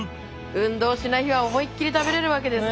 運動しない日は思いっきり食べれるわけですね。